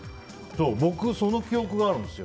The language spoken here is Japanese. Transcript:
僕、その記憶があるんですよ。